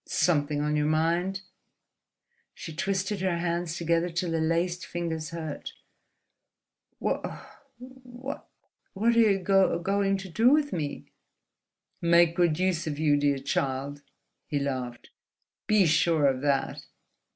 "Something on your mind?" She twisted her hands together till the laced fingers hurt. "Wha what are you go going to do with me?" "Make good use of you, dear child," he laughed: "be sure of that!"